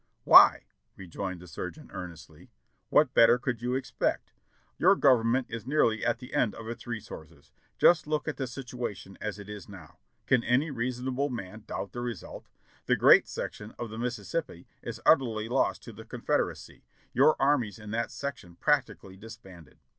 "Why," rejoined the surgeon earnestly, "what better could you expect? Your Government is nearly at the end of its re sources. Just look at the situation as it is now. Can any rea sonable man doubt the result? The great section of the Missis sippi is utterly lost to the Confederacy, your armies in that sec tion practically disbanded.